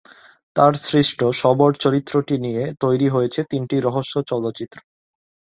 তার সৃষ্ট শবর চরিত্রটি নিয়ে তৈরি হয়েছে তিনটি রহস্য চলচ্চিত্র।